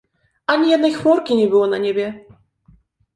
"Ani jednej chmurki nie było na niebie."